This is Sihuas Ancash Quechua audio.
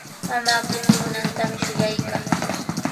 Mamaa kutimunantami shuyaykaa.